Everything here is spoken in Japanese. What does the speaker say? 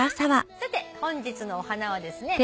さて本日のお花はですね